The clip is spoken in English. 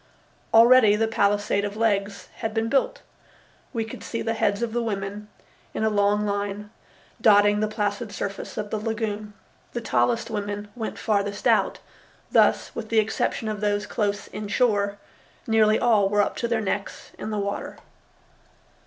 Already the palisade of legs had been built. We could see the heads of the women, in a long line, dotting the placid surface of the lagoon. The tallest women went farthest out, thus, with the exception of those close inshore, nearly all were up to their necks in the water.